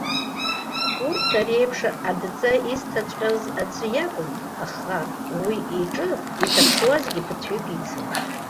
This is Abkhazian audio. Урҭ, ари еиԥш адҵа изҭаҵәҟьаз, аӡәы иакәын, аха уи иҿы иҭаԥшуазгьы ԥыҭҩык ицын.